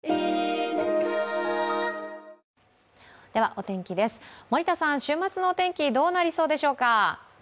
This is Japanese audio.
お天気です、森田さん、週末のお天気、どうなりそうでしょうか？